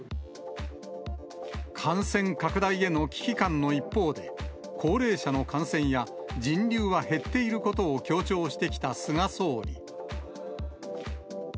感染拡大への危機感の一方で、高齢者の感染や人流は減っていることを強調してきた菅総理。